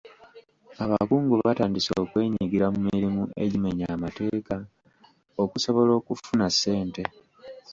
Abakungu batandise okwenyigira mu mirimu egimenya amateeka okusobola okufuna ssente.